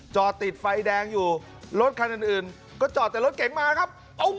จอดติดไฟแดงอยู่รถคันอื่นก็จอดแต่รถเก๋งมาครับ